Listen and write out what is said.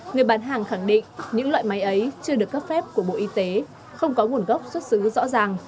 người bán hàng khẳng định những loại máy ấy chưa được cấp phép của bộ y tế không có nguồn gốc xuất xứ rõ ràng